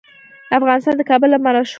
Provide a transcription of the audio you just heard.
افغانستان د کابل لپاره مشهور دی.